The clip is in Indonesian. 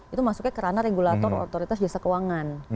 itu masuknya kerana regulator otoritas jasa keuangan